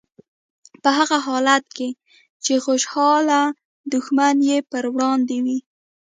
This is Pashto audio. په هغه حالت کې چې خوشحاله دښمن یې په وړاندې وي.